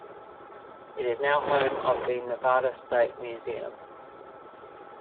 It is now the home of the Nevada State Museum.